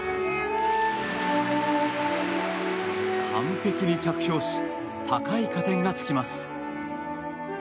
完璧に着氷し高い加点がつきます。